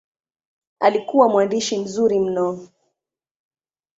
Alikuwa mwandishi mzuri mno.